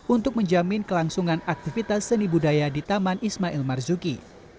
untuk menjamin kelangsungan aktivitas seni budaya di taman ismail marzuki